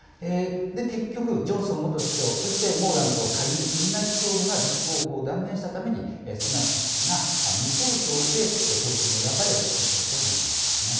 結局、ジョンソン元首相そしてモーダント下院院内総務が立候補を断念したためにスナク氏が無投票で党首に選ばれ首相となったわけですね。